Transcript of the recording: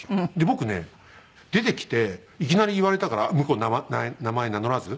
僕ね出てきていきなり言われたから向こう名前名乗らず。